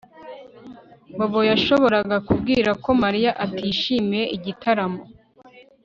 Bobo yashoboraga kubwira ko Mariya atishimiye igitaramo